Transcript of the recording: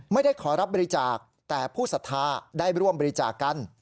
ไม่ได้ขอรับบริจาคแต่ผู้ศรัทธาได้ร่วมบริจาคกัน